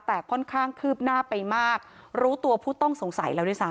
แต่ค่อนข้างคืบหน้าไปมากรู้ตัวผู้ต้องสงสัยแล้วด้วยซ้